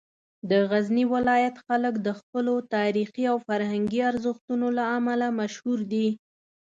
د غزني ولایت خلک د خپلو تاریخي او فرهنګي ارزښتونو له امله مشهور دي.